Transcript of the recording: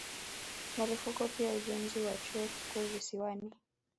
Marufuku pia ujenzi wa Chuo Kikuu Visiwani